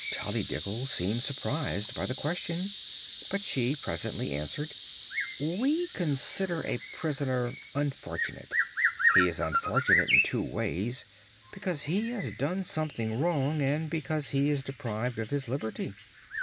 Tollydiggle seemed surprised by the question, but she presently answered: "We consider a prisoner unfortunate. He is unfortunate in two ways because he has done something wrong and because he is deprived of his liberty.